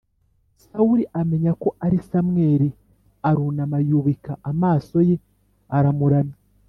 sawuli amenya ko ari samweli, arunama yubika amaso ye aramuramya